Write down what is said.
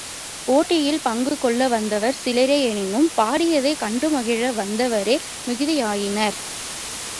போட்டியில் பங்கு கொள்ள வந்தவர் சிலரே எனினும் பாடியதைக் கண்டு மகிழ வந்தவரே மிகுதியாயினர்.